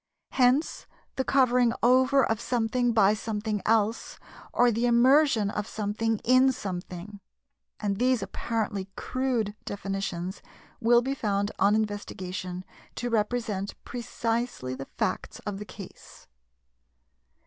Hence the covering over of something by something else, or the immersion of something in something; and these apparently crude definitions will be found on investigation to represent precisely the facts of the case.